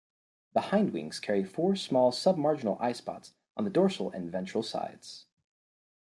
The hindwings carry four small submarginal eyespots on the dorsal and ventral sides.